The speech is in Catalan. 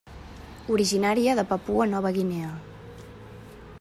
Originària de Papua Nova Guinea.